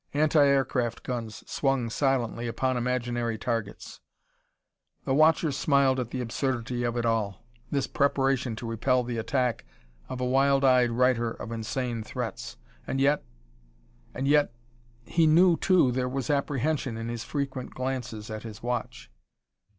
Anti aircraft guns swung silently upon imaginary targets The watcher smiled at the absurdity of it all this preparation to repel the attack of a wild eyed writer of insane threats. And yet and yet He knew, too, there was apprehension in his frequent glances at his watch.